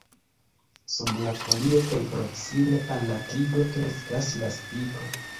Sub la folio kaj proksime al la tigo kreskas la spiko.